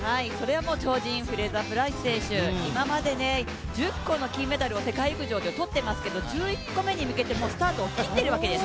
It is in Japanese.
超人、フレイザープライス選手、今まで１０個の金メダルを世界陸上で取っていますけど、１１個目に向けてもうスタートを切っているわけです。